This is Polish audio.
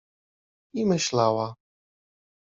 I myślała.